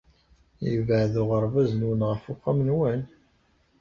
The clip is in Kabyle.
Yebɛed uɣerbaz-nwen ɣef uxxam-nwen?